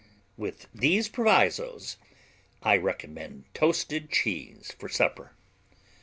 With these provisos, I recommend toasted cheese for supper.